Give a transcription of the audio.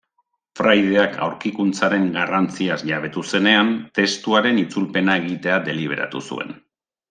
Fraideak aurkikuntzaren garrantziaz jabetu zenean testuaren itzulpena egitea deliberatu zuen.